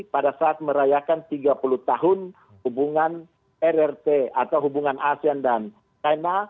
pada saat merayakan tiga puluh tahun hubungan rrt atau hubungan asean dan china